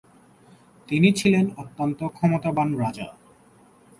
তিনি ছিলেন অত্যন্ত ক্ষমতাবান রাজা।